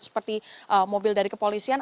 seperti mobil dari kepolisian